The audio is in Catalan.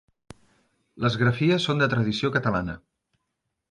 Les grafies són de tradició catalana.